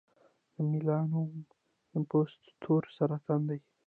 د میلانوما د پوست تور سرطان دی.